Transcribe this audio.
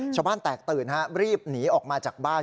ชาวบ้านแตกตื่นรีบหนีออกมาจากบ้าน